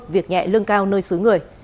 việc nhẹ lương cao nơi xứ người